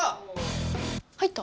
入った！